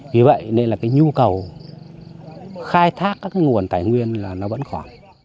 vì vậy nên là cái nhu cầu khai thác các cái nguồn tài nguyên là nó vẫn khó